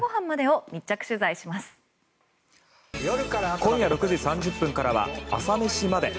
今夜６時３０分からは「朝メシまで。」。